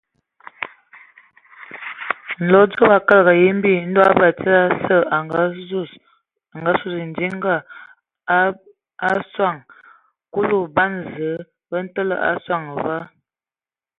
A nlodzobo a kələg yimbi, Ndɔ batsidi asǝ a azu kɔdan sɔŋ ebɛ bidinga; Kulu ban Zǝə bə təlǝ a soŋ ayob va.